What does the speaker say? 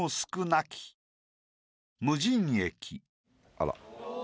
あら。